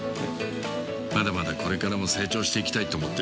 まだまだこれからも成長していきたいって思ってるよ。